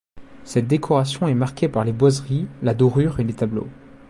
Cette décoration est marquée par les boiseries, la dorure et les tableaux.